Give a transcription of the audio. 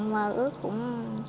mơ ước cũng